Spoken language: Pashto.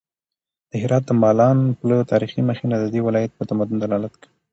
د هرات د مالان پله تاریخي مخینه د دې ولایت په تمدن دلالت کوي.